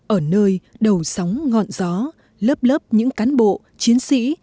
ở nơi đầu sóng ngọn gió lớp lớp những cán bộ chiến sĩ